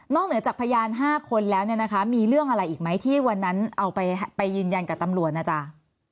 นอกเหนือจากพยาน๕คนแล้วมีเรื่องอะไรอีกไหมที่วันนั้นไปยืนยันกับตำรวจอ่ะจ้า